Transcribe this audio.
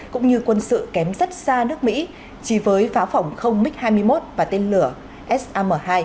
cũng như quân sự kém rất xa nước mỹ chi với phá phòng không mig hai mươi một và tên lửa sam hai